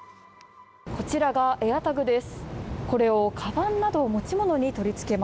こちらがＡｉｒＴａｇです。